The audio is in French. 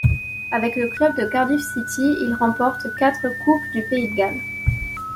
Avec le club de Cardiff City, il remporte quatre Coupes du pays de Galles.